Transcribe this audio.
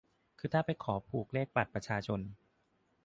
คือถ้าไปขอผูกเลขบัตรประชาชน